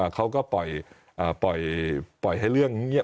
เค้าก็ปล่อยให้เรื่องอย่างนี้